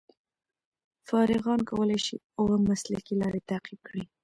فارغان کولای شي اوه مسلکي لارې تعقیب کړي.